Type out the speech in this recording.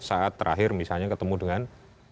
saat terakhir misalnya ketemu dengan